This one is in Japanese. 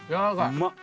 うまっ。